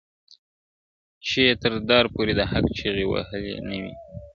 چي یې تر دار پوري د حق چیغي وهلي نه وي-